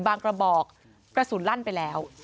กระบอกกระสุนลั่นไปแล้ว